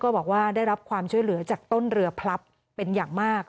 บอกว่าได้รับความช่วยเหลือจากต้นเรือพลับเป็นอย่างมาก